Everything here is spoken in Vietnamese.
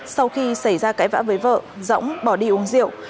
sau khi xảy ra cãi vã với vợ dõng bỏ đi uống rượu